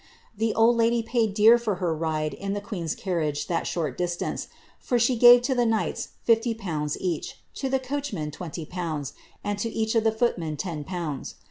The old ly paid dear for her ride in the queen's carriage that short distance, r she gave to the knights fifty pounds each, to the coachman twenty wds, and to each of the footmen ten pounds.